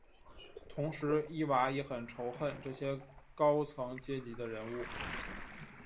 同时伊娃也很仇恨这些高层阶级的人物。